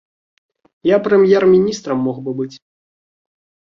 Я прэм'ер-міністрам мог бы быць.